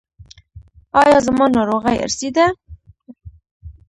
ایا زما ناروغي ارثي ده؟